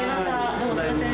どうもすみません。